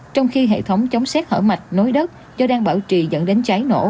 trong khi hệ thống chống xét hở mạch nối đất do đang bảo trì dẫn đến cháy nổ